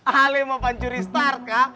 alemapan curi starka